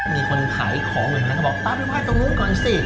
มีคนขายของเค้าก็บอกตามไปไว้ตรงนู้นก่อนสิ